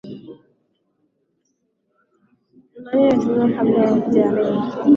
themanini na tisa wa Marekani kwenye shambulizi hilo zito zaidi kabla ya la tarehe